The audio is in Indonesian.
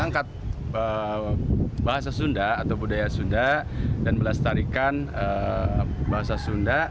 nangkat bahasa sunda atau budaya sunda dan belas kata sunda itu juga bergantian untuk kita